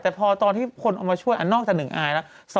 แต่พอตอนที่คนเอามาช่วยนอกจาก๑อายแล้ว